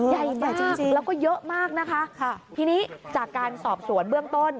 ใหญ่มากแล้วก็เยอะมากนะคะทีนี้จากการสอบสวนเบื้องต้น